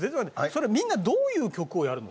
それみんなどういう曲をやるの？